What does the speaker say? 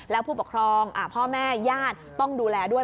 แล้วผู้ปกครองพ่อแม่ญาติต้องดูแลด้วย